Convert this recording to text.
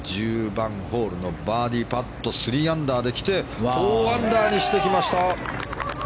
１０番ホールのバーディーパット３アンダーで来て４アンダーにしてきました。